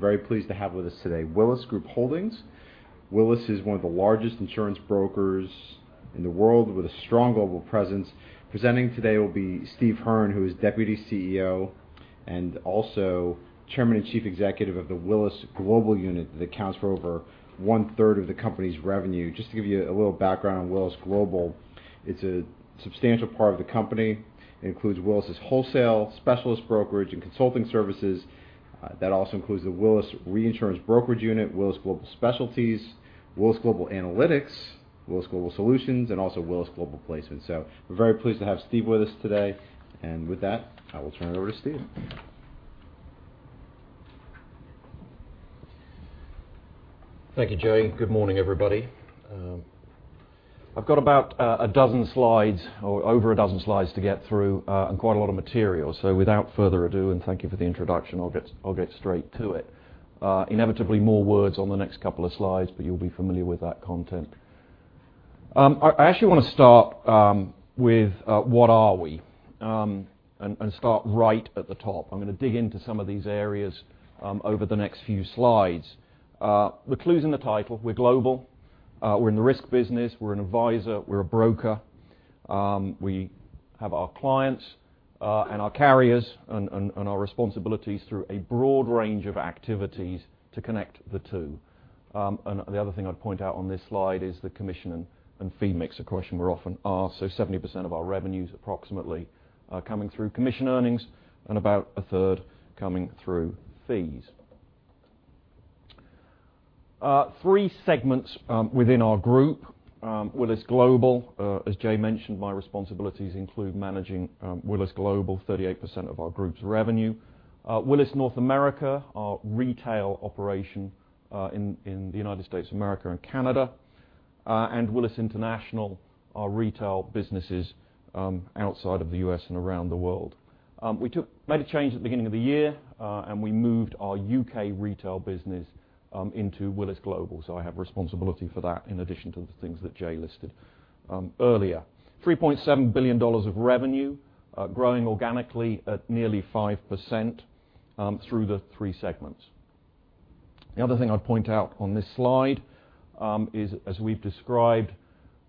We're very pleased to have with us today Willis Group Holdings. Willis is one of the largest insurance brokers in the world with a strong global presence. Presenting today will be Steve Hearn, who is Deputy CEO and also Chairman and Chief Executive of the Willis Global unit that accounts for over one-third of the company's revenue. Just to give you a little background on Willis Global, it's a substantial part of the company. It includes Willis' wholesale specialist brokerage and consulting services. That also includes the Willis Reinsurance Brokerage unit, Willis Global Specialties, Willis Global Risk & Analytics, Willis Global Solutions, and also Willis Global Placement. We're very pleased to have Steve with us today. With that, I will turn it over to Steve. Thank you, Jay. Good morning, everybody. I've got about a dozen slides or over a dozen slides to get through and quite a lot of material. Without further ado, thank you for the introduction, I'll get straight to it. Inevitably, more words on the next couple of slides, but you'll be familiar with that content. I actually want to start with, what are we? Start right at the top. I'm going to dig into some of these areas over the next few slides. The clue's in the title. We're global. We're in the risk business. We're an advisor. We're a broker. We have our clients and our carriers and our responsibilities through a broad range of activities to connect the two. The other thing I'd point out on this slide is the commission and fee mix, a question we're often asked. 70% of our revenue is approximately coming through commission earnings and about a third coming through fees. 3 segments within our group. Willis Global. As Jay mentioned, my responsibilities include managing Willis Global, 38% of our group's revenue. Willis North America, our retail operation in the U.S. and Canada. Willis International, our retail businesses outside of the U.S. and around the world. We made a change at the beginning of the year, and we moved our U.K. retail business into Willis Global. I have responsibility for that in addition to the things that Jay listed earlier. $3.7 billion of revenue, growing organically at nearly 5% through the 3 segments. The other thing I'd point out on this slide is, as we've described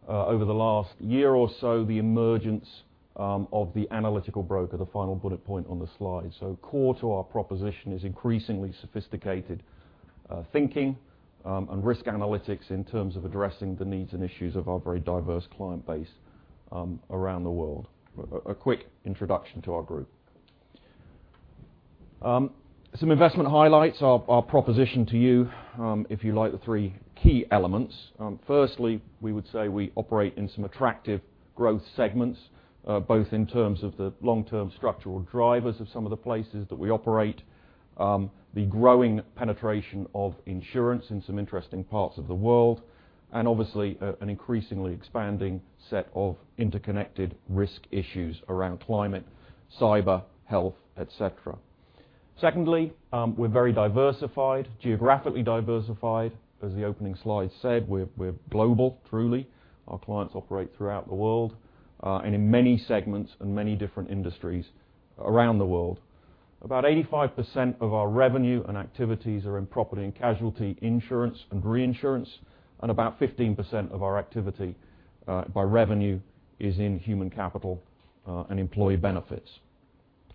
over the last year or so, the emergence of the analytical broker, the final bullet point on the slide. Core to our proposition is increasingly sophisticated thinking and risk analytics in terms of addressing the needs and issues of our very diverse client base around the world. A quick introduction to our group. Some investment highlights. Our proposition to you, if you like, the 3 key elements. Firstly, we would say we operate in some attractive growth segments both in terms of the long-term structural drivers of some of the places that we operate, the growing penetration of insurance in some interesting parts of the world, obviously, an increasingly expanding set of interconnected risk issues around climate, cyber health, et cetera. Secondly, we're very diversified, geographically diversified. As the opening slide said, we're global, truly. Our clients operate throughout the world, in many segments and many different industries around the world. About 85% of our revenue and activities are in property and casualty insurance and reinsurance, and about 15% of our activity by revenue is in human capital and employee benefits.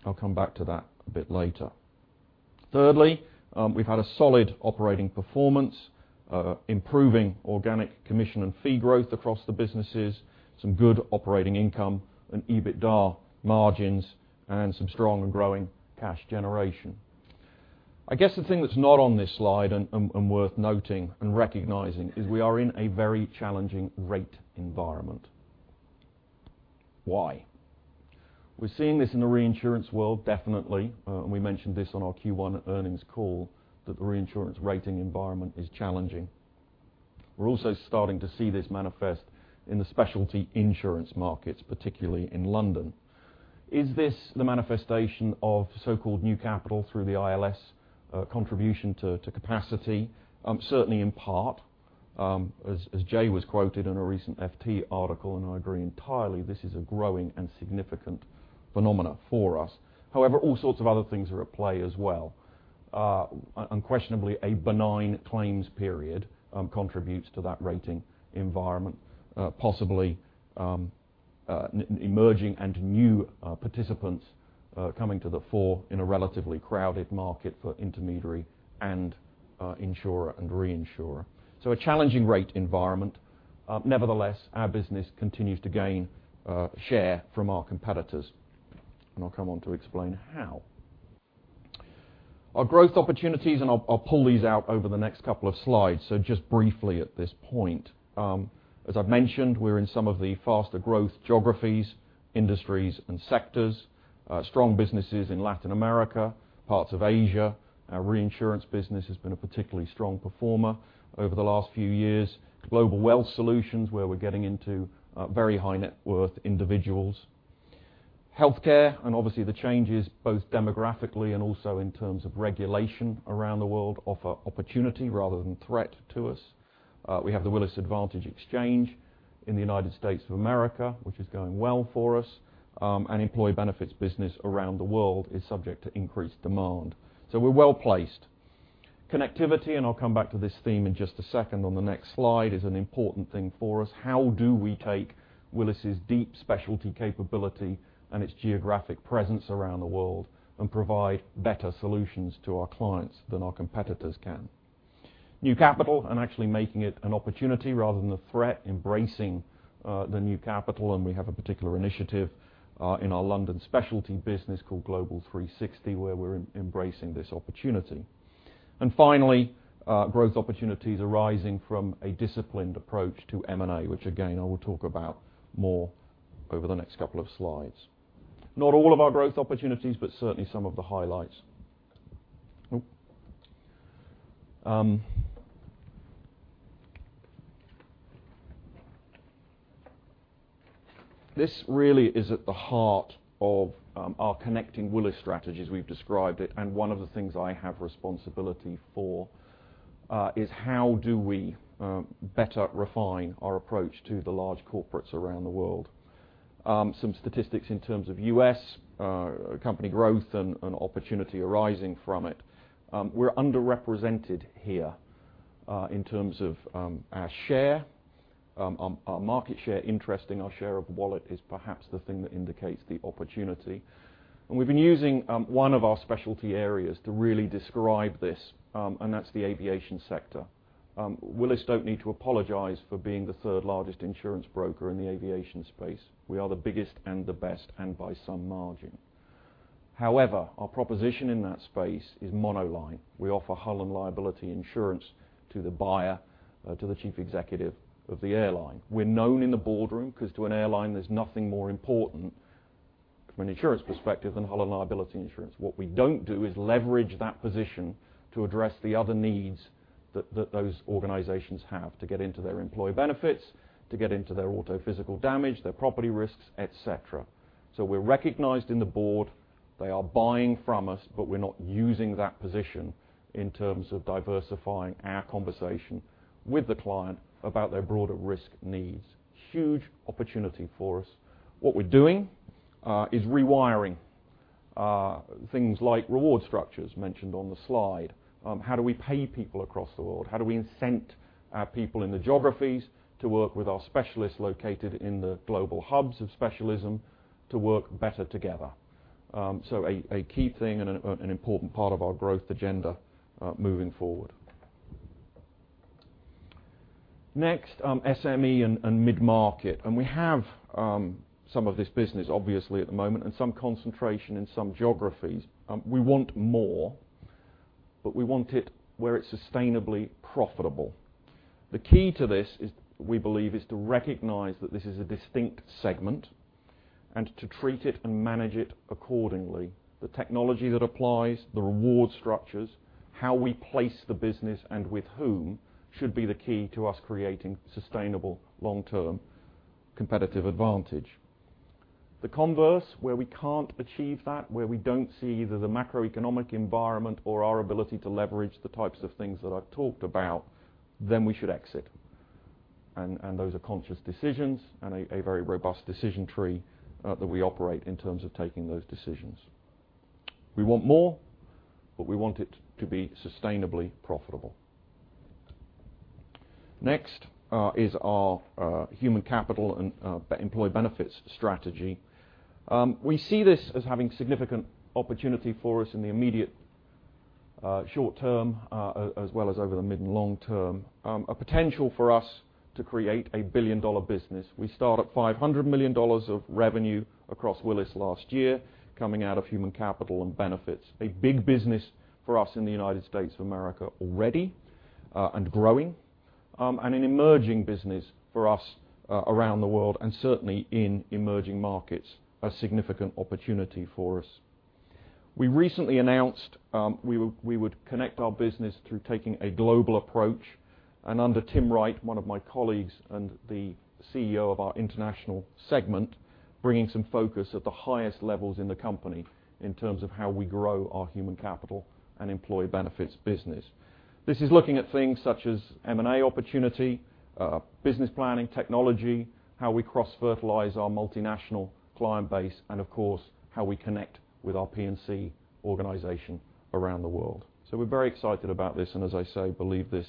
I'll come back to that a bit later. Thirdly, we've had a solid operating performance, improving organic commission and fee growth across the businesses, some good operating income and EBITDA margins, and some strong and growing cash generation. I guess the thing that's not on this slide and worth noting and recognizing is we are in a very challenging rate environment. Why? We're seeing this in the reinsurance world, definitely. We mentioned this on our Q1 earnings call that the reinsurance rating environment is challenging. We're also starting to see this manifest in the specialty insurance markets, particularly in London. Is this the manifestation of so-called new capital through the ILS contribution to capacity? Certainly, in part. As Jay was quoted in a recent FT article, and I agree entirely, this is a growing and significant phenomenon for us. However, all sorts of other things are at play as well. Unquestionably, a benign claims period contributes to that rating environment, possibly emerging and new participants coming to the fore in a relatively crowded market for intermediary and insurer and reinsurer. A challenging rate environment. Nevertheless, our business continues to gain share from our competitors, and I'll come on to explain how. Our growth opportunities, and I'll pull these out over the next couple of slides, so just briefly at this point. As I've mentioned, we're in some of the faster growth geographies, industries, and sectors. Strong businesses in Latin America, parts of Asia. Our reinsurance business has been a particularly strong performer over the last few years. Global Wealth Solutions, where we're getting into very high net worth individuals. Healthcare, and obviously the changes both demographically and also in terms of regulation around the world offer opportunity rather than threat to us. We have the Willis Advantage exchange in the United States of America, which is going well for us. Employee benefits business around the world is subject to increased demand. We're well-placed. Connectivity, and I'll come back to this theme in just a second on the next slide, is an important thing for us. How do we take Willis' deep specialty capability and its geographic presence around the world and provide better solutions to our clients than our competitors can? New capital and actually making it an opportunity rather than a threat, embracing the new capital, and we have a particular initiative in our London specialty business called Global 360, where we're embracing this opportunity. Finally, growth opportunities arising from a disciplined approach to M&A, which again, I will talk about more over the next couple of slides. Not all of our growth opportunities, but certainly some of the highlights. This really is at the heart of our Connecting Willis strategy as we've described it, and one of the things I have responsibility for is how do we better refine our approach to the large corporates around the world. Some statistics in terms of U.S. company growth and opportunity arising from it. We're underrepresented here in terms of our share, our market share. Interesting, our share of wallet is perhaps the thing that indicates the opportunity. We've been using one of our specialty areas to really describe this, that's the aviation sector. Willis don't need to apologize for being the third largest insurance broker in the aviation space. We are the biggest and the best, and by some margin. However, our proposition in that space is monoline. We offer hull and liability insurance to the buyer, to the chief executive of the airline. We're known in the boardroom because to an airline, there's nothing more important from an insurance perspective than hull and liability insurance. What we don't do is leverage that position to address the other needs that those organizations have to get into their employee benefits, to get into their auto physical damage, their property risks, et cetera. We're recognized in the board. They are buying from us, We're not using that position in terms of diversifying our conversation with the client about their broader risk needs. Huge opportunity for us. What we're doing is rewiring things like reward structures mentioned on the slide. How do we pay people across the world? How do we incent our people in the geographies to work with our specialists located in the global hubs of specialism to work better together? A key thing and an important part of our growth agenda moving forward. Next, SME and mid-market, We have some of this business obviously at the moment and some concentration in some geographies. We want more, We want it where it's sustainably profitable. The key to this, we believe, is to recognize that this is a distinct segment and to treat it and manage it accordingly. The technology that applies, the reward structures, how we place the business, and with whom should be the key to us creating sustainable long-term competitive advantage. The converse, where we can't achieve that, where we don't see either the macroeconomic environment or our ability to leverage the types of things that I've talked about, then we should exit. Those are conscious decisions and a very robust decision tree that we operate in terms of taking those decisions. We want more, We want it to be sustainably profitable. Next is our human capital and employee benefits strategy. We see this as having significant opportunity for us in the immediate short term, as well as over the mid and long term. A potential for us to create a billion-dollar business. We start at GBP 500 million of revenue across Willis last year, coming out of human capital and benefits. A big business for us in the United States of America already and growing. An emerging business for us around the world and certainly in emerging markets, a significant opportunity for us. We recently announced we would connect our business through taking a global approach and under Tim Wright, one of my colleagues and the CEO of our international segment, bringing some focus at the highest levels in the company in terms of how we grow our human capital and employee benefits business. This is looking at things such as M&A opportunity, business planning, technology, how we cross-fertilize our multinational client base, and of course, how we connect with our P&C organization around the world. We're very excited about this, and as I say, believe this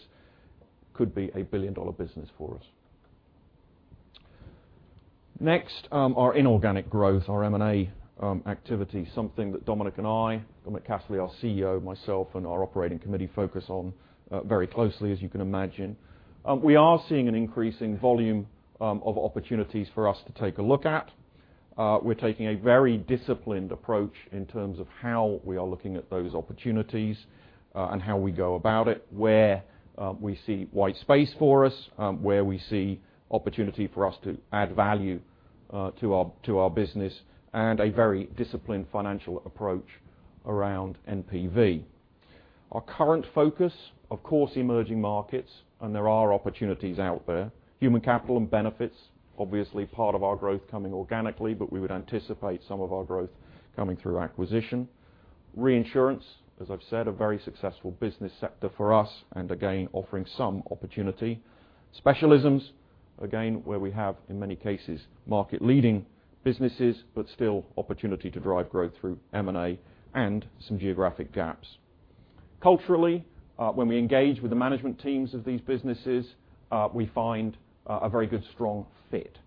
could be a billion-dollar business for us. Next, our inorganic growth, our M&A activity, something that Dominic and I, Dominic Casserley, our CEO, myself, and our operating committee focus on very closely, as you can imagine. We are seeing an increasing volume of opportunities for us to take a look at. We're taking a very disciplined approach in terms of how we are looking at those opportunities and how we go about it, where we see white space for us, where we see opportunity for us to add value to our business, and a very disciplined financial approach around NPV. Our current focus, of course, emerging markets. There are opportunities out there. Human capital and benefits, obviously part of our growth coming organically, but we would anticipate some of our growth coming through acquisition. Reinsurance, as I've said, a very successful business sector for us and again, offering some opportunity. Specialisms, again, where we have, in many cases, market-leading businesses, but still opportunity to drive growth through M&A and some geographic gaps. Culturally, when we engage with the management teams of these businesses, we find a very good strong fit.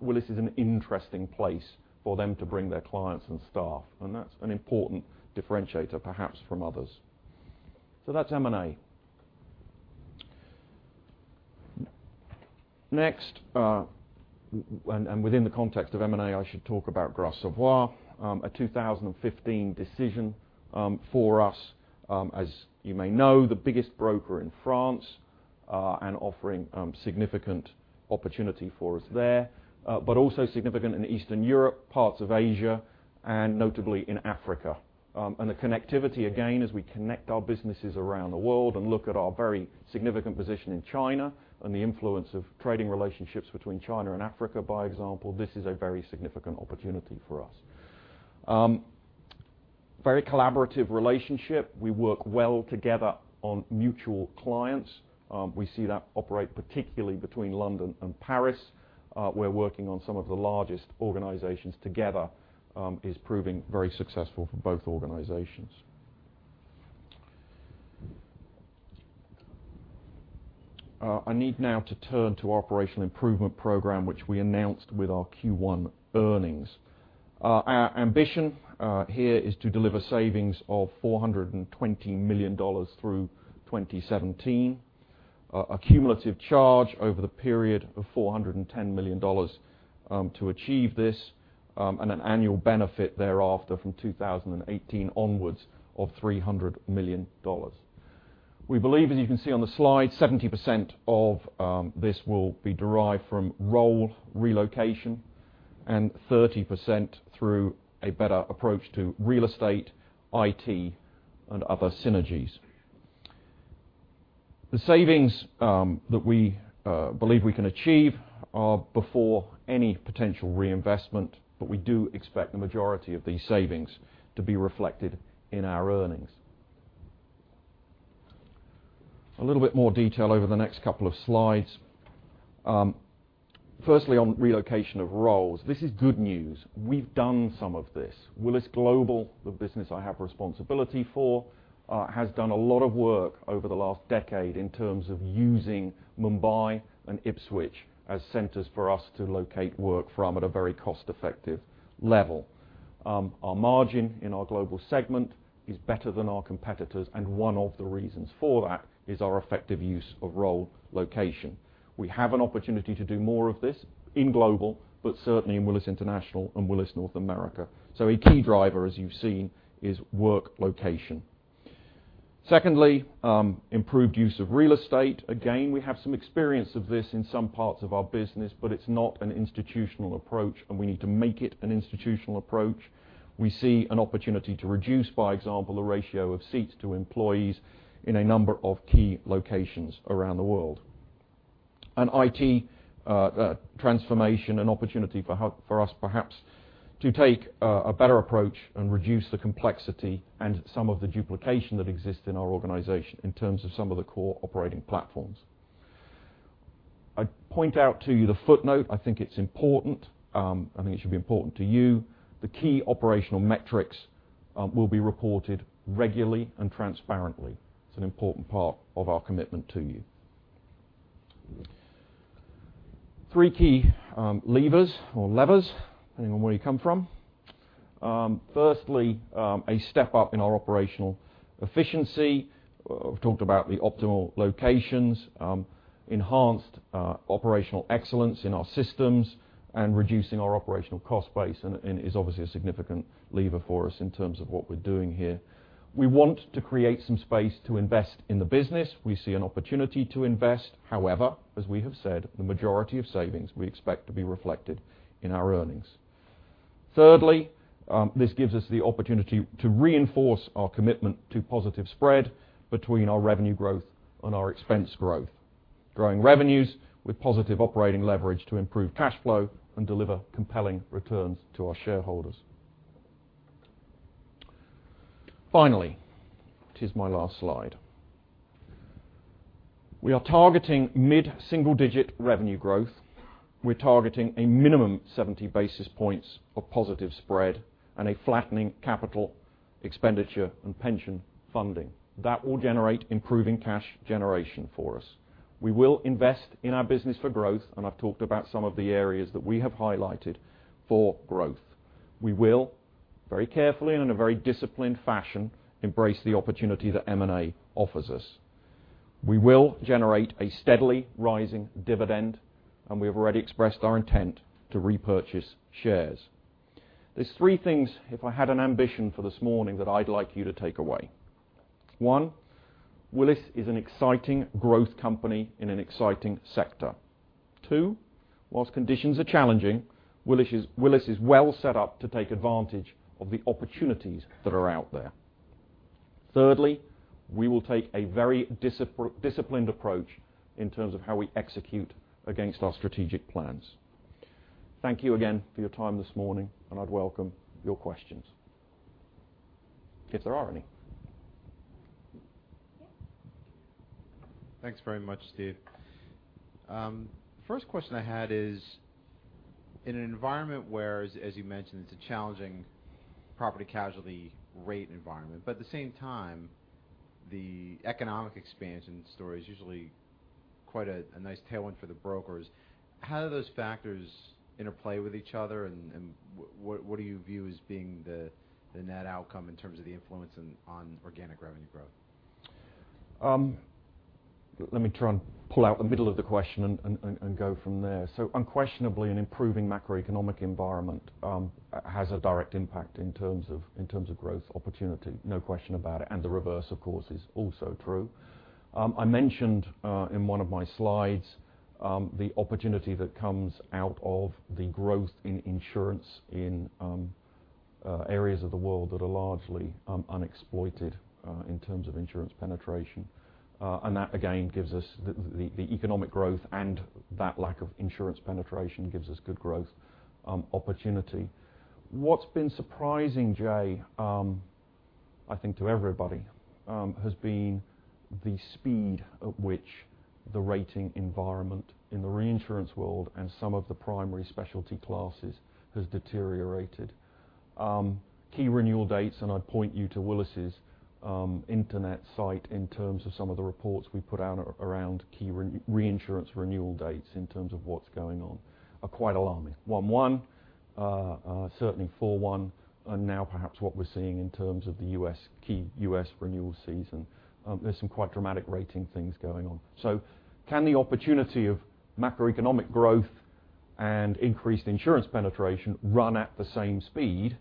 Willis is an interesting place for them to bring their clients and staff, and that's an important differentiator perhaps from others. That's M&A. Next, within the context of M&A, I should talk about Gras Savoye, a 2015 decision for us. As you may know, the biggest broker in France, offering significant opportunity for us there, but also significant in Eastern Europe, parts of Asia, notably in Africa. The connectivity, again, as we connect our businesses around the world and look at our very significant position in China and the influence of trading relationships between China and Africa, by example. This is a very significant opportunity for us. Very collaborative relationship. We work well together on mutual clients. We see that operate particularly between London and Paris, where working on some of the largest organizations together is proving very successful for both organizations. I need now to turn to operational improvement program, which we announced with our Q1 earnings. Our ambition here is to deliver savings of $420 million through 2017. A cumulative charge over the period of $410 million to achieve this, an annual benefit thereafter from 2018 onwards of $300 million. We believe, as you can see on the slide, 70% of this will be derived from role relocation and 30% through a better approach to real estate, IT, and other synergies. The savings that we believe we can achieve are before any potential reinvestment. We do expect the majority of these savings to be reflected in our earnings. A little bit more detail over the next couple of slides. Firstly, on relocation of roles. This is good news. We've done some of this. Willis Global, the business I have responsibility for, has done a lot of work over the last decade in terms of using Mumbai and Ipswich as centers for us to locate work from at a very cost-effective level. Our margin in our global segment is better than our competitors. One of the reasons for that is our effective use of role location. We have an opportunity to do more of this in Global, but certainly in Willis International and Willis North America. A key driver, as you've seen, is work location. Secondly, improved use of real estate. Again, we have some experience of this in some parts of our business, but it's not an institutional approach, and we need to make it an institutional approach. We see an opportunity to reduce, by example, the ratio of seats to employees in a number of key locations around the world. An IT transformation, an opportunity for us perhaps to take a better approach and reduce the complexity and some of the duplication that exists in our organization in terms of some of the core operating platforms. I'd point out to you the footnote. I think it's important. I think it should be important to you. The key operational metrics will be reported regularly and transparently. It's an important part of our commitment to you. Three key levers or levers, depending on where you come from. Firstly, a step-up in our operational efficiency. I've talked about the optimal locations. Enhanced operational excellence in our systems and reducing our operational cost base is obviously a significant lever for us in terms of what we're doing here. We want to create some space to invest in the business. We see an opportunity to invest. However, as we have said, the majority of savings we expect to be reflected in our earnings. Thirdly, this gives us the opportunity to reinforce our commitment to positive spread between our revenue growth and our expense growth. Growing revenues with positive operating leverage to improve cash flow and deliver compelling returns to our shareholders. Finally, it is my last slide. We are targeting mid-single-digit revenue growth. We're targeting a minimum 70 basis points of positive spread and a flattening capital expenditure and pension funding. That will generate improving cash generation for us. We will invest in our business for growth, and I've talked about some of the areas that we have highlighted for growth. We will, very carefully and in a very disciplined fashion, embrace the opportunity that M&A offers us. We will generate a steadily rising dividend, and we have already expressed our intent to repurchase shares. There's three things, if I had an ambition for this morning, that I'd like you to take away. One, Willis is an exciting growth company in an exciting sector. Two, whilst conditions are challenging, Willis is well set up to take advantage of the opportunities that are out there. Thirdly, we will take a very disciplined approach in terms of how we execute against our strategic plans. Thank you again for your time this morning, and I'd welcome your questions. If there are any. Yeah. Thanks very much, Steve. First question I had is, in an environment where, as you mentioned, it's a challenging property casualty rate environment, but at the same time, the economic expansion story is usually quite a nice tailwind for the brokers. How do those factors interplay with each other, and what do you view as being the net outcome in terms of the influence on organic revenue growth? Let me try and pull out the middle of the question and go from there. Unquestionably, an improving macroeconomic environment has a direct impact in terms of growth opportunity. No question about it. The reverse, of course, is also true. I mentioned, in one of my slides, the opportunity that comes out of the growth in insurance in areas of the world that are largely unexploited in terms of insurance penetration. That again gives us the economic growth, and that lack of insurance penetration gives us good growth opportunity. What's been surprising, Jay, I think to everybody, has been the speed at which the rating environment in the reinsurance world and some of the primary specialty classes has deteriorated. Key renewal dates, and I'd point you to Willis' internet site in terms of some of the reports we put out around key reinsurance renewal dates in terms of what's going on, are quite alarming. 1/1, certainly 4/1, are now perhaps what we're seeing in terms of the key U.S. renewal season. There's some quite dramatic rating things going on. Can the opportunity of macroeconomic growth and increased insurance penetration run at the same speed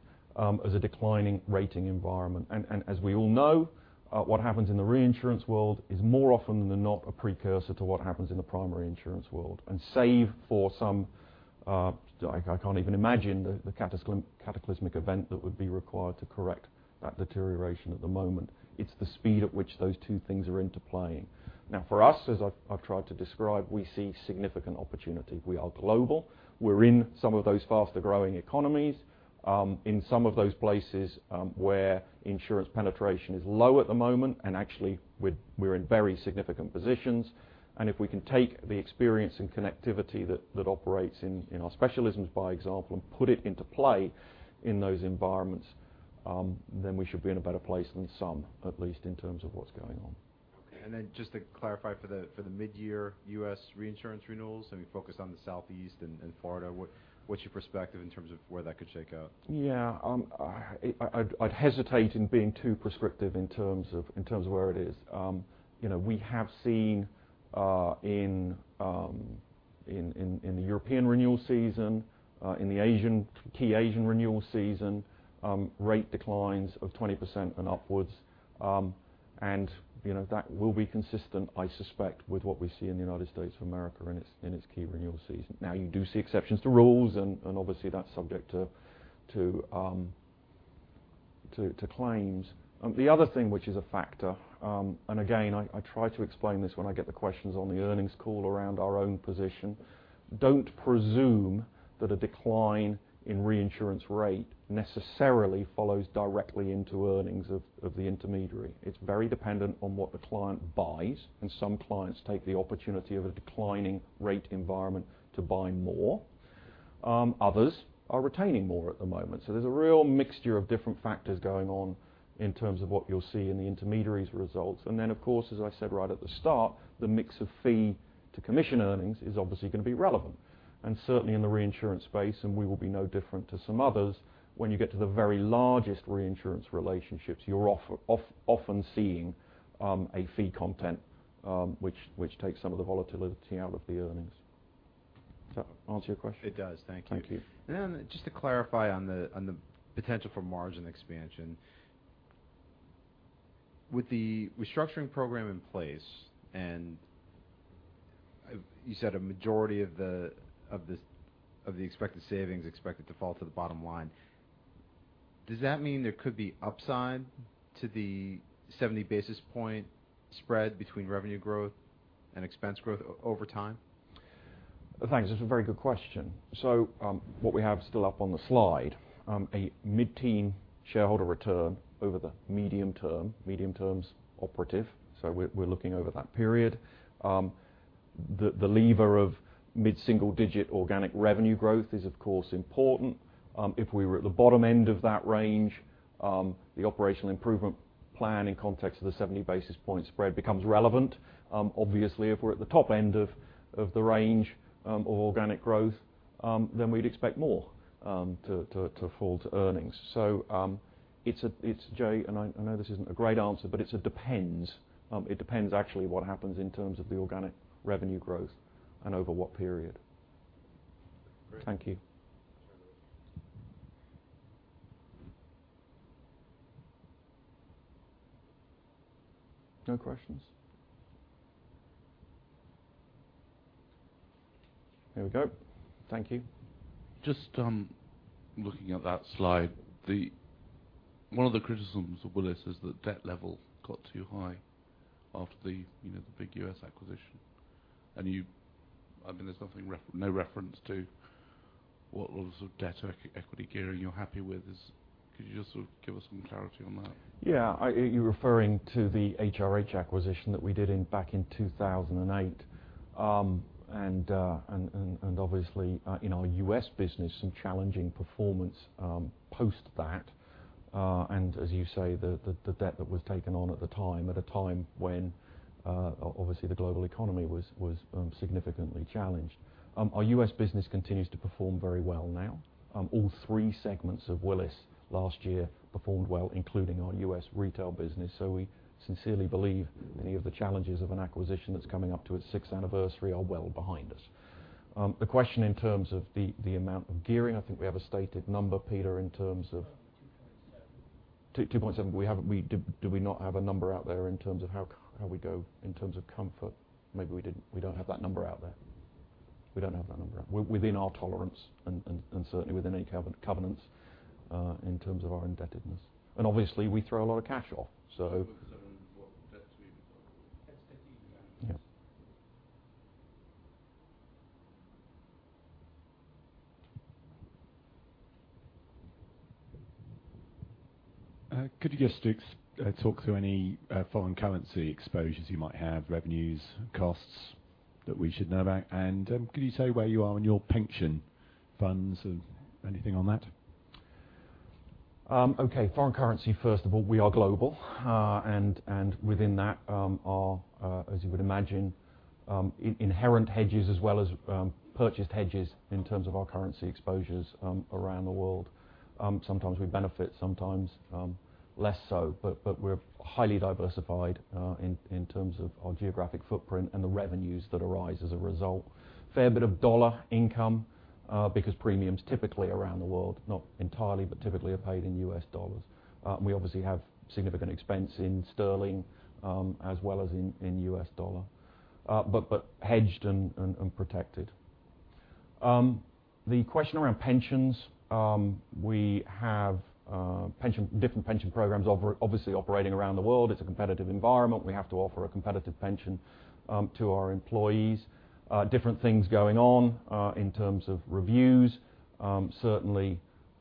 as a declining rating environment? As we all know, what happens in the reinsurance world is more often than not a precursor to what happens in the primary insurance world. Save for some, I can't even imagine the cataclysmic event that would be required to correct that deterioration at the moment. It's the speed at which those two things are interplaying. For us, as I've tried to describe, we see significant opportunity. We are global. We're in some of those faster-growing economies, in some of those places where insurance penetration is low at the moment, and actually, we're in very significant positions. If we can take the experience and connectivity that operates in our specialisms by example, and put it into play in those environments, we should be in a better place than some, at least in terms of what's going on. Okay. Just to clarify for the mid-year U.S. reinsurance renewals, and we focus on the Southeast and Florida, what's your perspective in terms of where that could shake out? I'd hesitate in being too prescriptive in terms of where it is. We have seen, in the European renewal season, in the key Asian renewal season, rate declines of 20% and upwards. That will be consistent, I suspect, with what we see in the United States of America in its key renewal season. Now, you do see exceptions to rules, and obviously, that's subject to claims. The other thing which is a factor, and again, I try to explain this when I get the questions on the earnings call around our own position, don't presume that a decline in reinsurance rate necessarily follows directly into earnings of the intermediary. It's very dependent on what the client buys, and some clients take the opportunity of a declining rate environment to buy more. Others are retaining more at the moment. There's a real mixture of different factors going on in terms of what you'll see in the intermediaries' results. Then, of course, as I said right at the start, the mix of fee to commission earnings is obviously going to be relevant. Certainly, in the reinsurance space, and we will be no different to some others, when you get to the very largest reinsurance relationships, you're often seeing a fee content, which takes some of the volatility out of the earnings. Does that answer your question? It does. Thank you. Thank you. Just to clarify on the potential for margin expansion. With the restructuring program in place, you said a majority of the expected savings expected to fall to the bottom line, does that mean there could be upside to the 70 basis point spread between revenue growth and expense growth over time? Thanks. That's a very good question. What we have still up on the slide, a mid-teen shareholder return over the medium term. Medium term's operative, so we're looking over that period. The lever of mid-single-digit organic revenue growth is, of course, important. If we were at the bottom end of that range, the operational improvement plan in context of the 70 basis point spread becomes relevant. Obviously, if we're at the top end of the range of organic growth, then we'd expect more to fall to earnings. It's, Jay, I know this isn't a great answer, but it's a depends. It depends actually what happens in terms of the organic revenue growth and over what period. Thank you. No questions? Here we go. Thank you. Just looking at that slide, One of the criticisms of Willis is the debt level got too high after the big U.S. acquisition. There's no reference to what levels of debt equity gearing you're happy with is. Could you just give us some clarity on that? Yeah. You're referring to the HRH acquisition that we did back in 2008. Obviously, in our U.S. business, some challenging performance post that. As you say, the debt that was taken on at the time, at a time when obviously the global economy was significantly challenged. Our U.S. business continues to perform very well now. All three segments of Willis last year performed well, including our U.S. retail business. We sincerely believe any of the challenges of an acquisition that's coming up to its sixth anniversary are well behind us. The question in terms of the amount of gearing, I think we have a stated number, Peter, 2.7. 2.7. Do we not have a number out there in terms of how we go in terms of comfort? Maybe we don't have that number out there. We don't have that number. Within our tolerance and certainly within any covenants, in terms of our indebtedness. Obviously, we throw a lot of cash off. What debt to EBITDA? It's 2.7 Yeah. Could you just talk through any foreign currency exposures you might have, revenues, costs that we should know about? Could you say where you are on your pension funds or anything on that? Okay. Foreign currency, first of all, we are global. Within that, are, as you would imagine, inherent hedges as well as purchased hedges in terms of our currency exposures around the world. Sometimes we benefit, sometimes less so. We're highly diversified in terms of our geographic footprint and the revenues that arise as a result. Fair bit of dollar income, because premiums typically around the world, not entirely, but typically, are paid in US dollars. We obviously have significant expense in sterling, as well as in US dollar. Hedged and protected. The question around pensions, we have different pension programs obviously operating around the world. It's a competitive environment. We have to offer a competitive pension to our employees. Different things going on in terms of reviews. Certainly,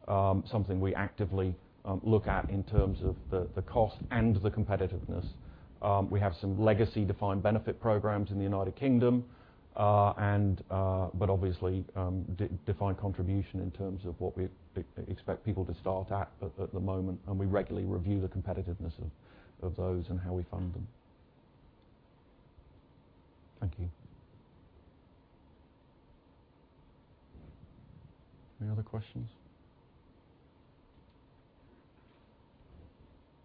something we actively look at in terms of the cost and the competitiveness. We have some legacy defined benefit programs in the U.K. Obviously, defined contribution in terms of what we expect people to start at at the moment, and we regularly review the competitiveness of those and how we fund them. Thank you. Any other questions?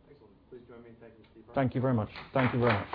Excellent. Please join me in thanking Steve Hearn. Thank you very much.